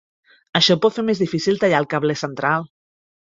Això pot fer més difícil tallar el cable central.